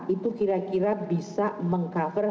itu kira kira bisa mengcover